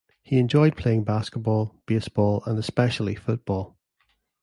He enjoyed playing basketball, baseball, and especially football.